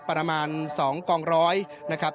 ประมาณ๒กองร้อยนะครับ